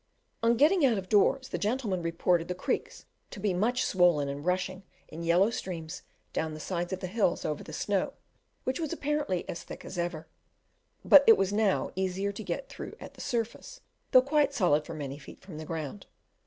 On getting out of doors, the gentlemen reported the creeks to be much swollen and rushing in yellow streams down the sides of the hills over the snow, which was apparently as thick as ever; but it was now easier to get through at the surface, though quite solid for many feet from the ground.